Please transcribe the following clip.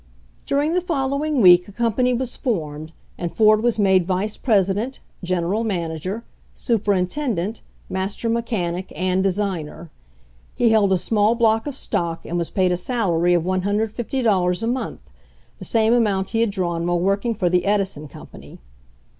During the following week a company was formed, and Ford was made vice president, gen eral manager, superintendent, master mechanic and designer. He held a small block of stock and was paid a salary of $150 a month, the same amount he had drawn while working for the Edi son company.